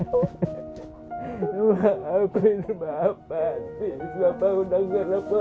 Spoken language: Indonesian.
maafin bapak pipi bapak udah nggak dapatin kamu